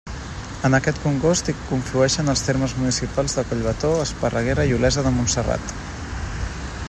En aquest congost hi conflueixen els termes municipals de Collbató, Esparreguera i Olesa de Montserrat.